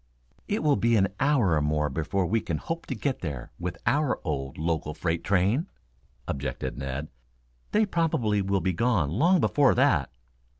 "It will be an hour or more before we can hope to get there with our old local freight train," objected Ned. "They probably will be gone long before that."